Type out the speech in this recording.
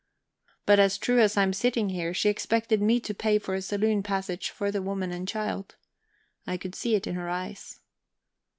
But as true as I'm sitting here she expected me to pay for a saloon passage for the woman and child; I could see it in her eyes.